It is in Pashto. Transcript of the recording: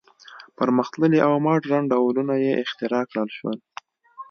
پرمختللي او ماډرن ډولونه یې اختراع کړل شول.